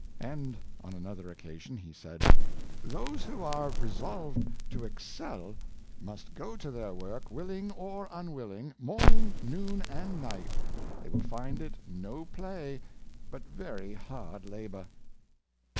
And on another occasion he said, " Those who are re solved to excel must go to their work, willing or unwill ing, morning, noon, and night; they will find it no play, but very hard labor."